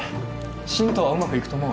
新党はうまくいくと思う？